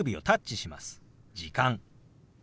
「時間」。